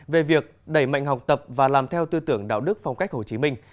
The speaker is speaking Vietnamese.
về việc đẩy mạnh học tập và làm theo tư tưởng đạo đức phong cách hồ chí minh